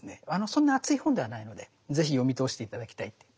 そんな厚い本ではないのでぜひ読み通して頂きたい。